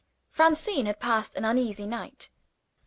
Francine had passed an uneasy night.